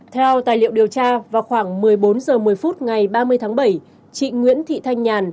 theo tài liệu điều tra vào khoảng một mươi bốn h một mươi phút ngày ba mươi tháng bảy chị nguyễn thị thanh nhàn